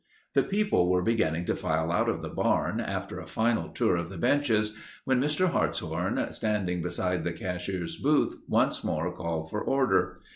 The people were beginning to file out of the barn, after a final tour of the benches, when Mr. Hartshorn, standing beside the cashier's booth, once more called for order.